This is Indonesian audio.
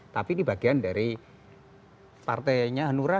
tapi ini bagian dari partainya hanura